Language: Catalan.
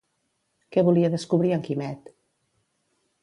Què volia descobrir en Quimet?